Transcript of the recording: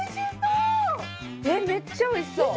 えっめっちゃおいしそう！